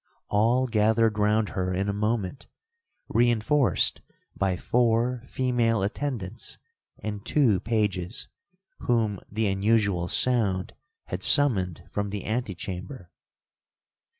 All gathered round her in a moment, reinforced by four female attendants and two pages, whom the unusual sound had summoned from the antichamber.